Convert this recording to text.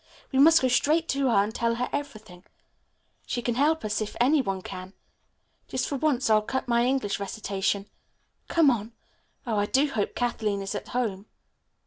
We must go straight to her and tell her everything. She can help us if any one can. Just for once I'll cut my English recitation. Come on. Oh, I do hope Kathleen is at home."